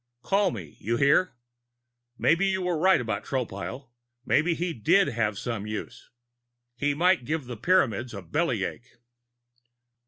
Call me, you hear? Maybe you were right about Tropile; maybe he did have some use. He might give the Pyramids a bellyache."